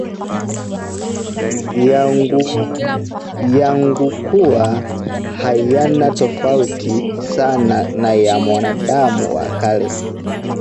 yangukuwa hayana tofauti sana na ya mwanadamu wa kale